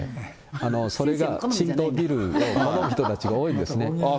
それが青島ビールを飲む人たちが多いですね。